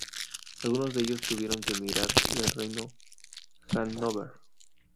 Algunos de ellos tuvieron que emigrar del reino de Hannover.